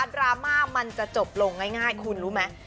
ดราม่ามันจะจบลงง่ายคุณรู้ไหม